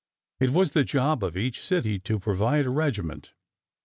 It was the job of each city to provide a regiment.